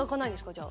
じゃあ。